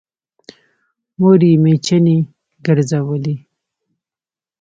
مور يې مېچنې ګرځولې